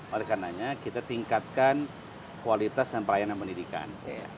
oleh karenanya kita tingkatkan kualitas dan pelayanan pendidikan